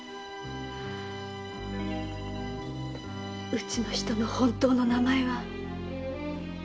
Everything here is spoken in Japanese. うちの人の本当の名前は。